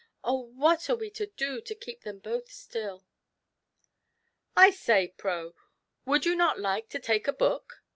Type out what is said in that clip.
Oh, what are we to do to keep them both stiU?" "I say, Pro, would you not like to take a book?"